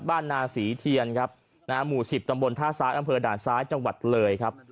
นาศรีเทียนครับนะฮะหมู่๑๐ตำบลท่าซ้ายอำเภอด่านซ้ายจังหวัดเลยครับ